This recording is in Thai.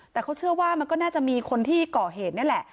แต่เขาเชื่อว่ามันก็น่าจะมีคนที่ก่อเหตุนี่แหละ